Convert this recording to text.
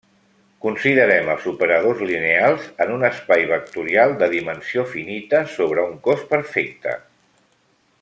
Considerem els operadors lineals en un espai vectorial de dimensió finita sobre un cos perfecte.